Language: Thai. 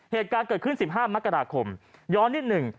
เหตุการณ์เกิดขึ้น๑๕มกราคมย้อนนิดหนึ่ง